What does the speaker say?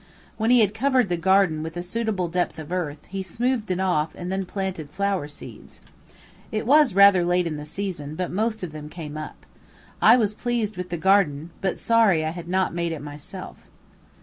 When he had covered the garden with a suitable depth of earth, he smoothed it off and then planted flower seeds. It was rather late in the season, but most of them came up. I was pleased with the garden, but sorry I had not made it myself.